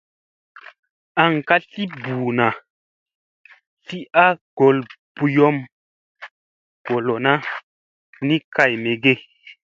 An ka tli ɓuu naa tli a gol ɓuyun goolona di ni kay mege ?